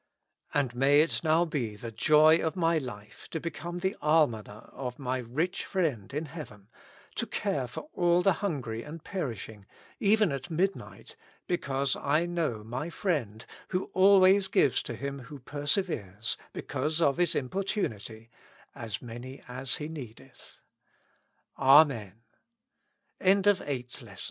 And may it now be the joy of my life to become the almoner of my Rich Friend in heaven, to care for all the hungry and perishing, even at midnight, because I know my Friend, who always gives to him who perseveres, because of his importunity, as many a